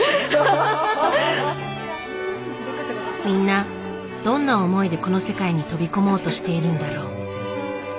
みんなどんな思いでこの世界に飛び込もうとしているんだろう。